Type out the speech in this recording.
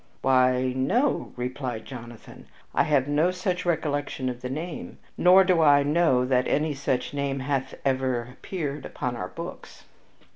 "Why, no," replied Jonathan, "I have no such recollection of the name nor do I know that any such name hath ever appeared upon our books."